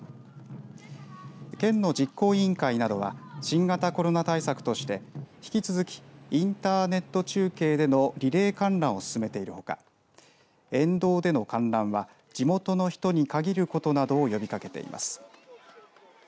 県の実行委員会などは新型コロナ対策として引き続きインターネット中継でのリレー観覧を勧めているほか沿道での観覧は地元の人に限ることなどを呼びかけています。